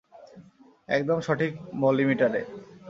একদম সঠিক মলিমিটারে।